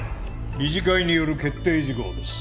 理事会による決定事項です。